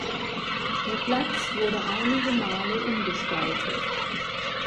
Der Platz wurde einige Male umgestaltet.